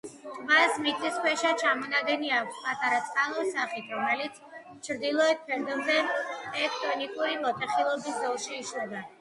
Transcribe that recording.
ტბას მიწისქვეშა ჩამონადენი აქვს პატარა წყაროს სახით, რომელიც ჩრდილოეთ ფერდობზე ტექტონიკური მოტეხილობის ზოლში იშლება.